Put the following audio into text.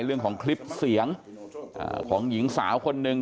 เรื่องของคลิปเสียงของหญิงสาวคนหนึ่ง